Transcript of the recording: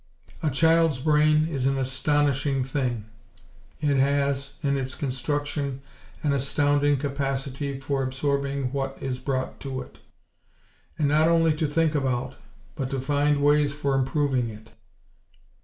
A child's brain is an astonishing thing. It has, in its construction, an astounding capacity for absorbing what is brought to it; and not only to think about, but to find ways for improving it.